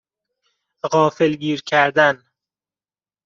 غافلگیر کردن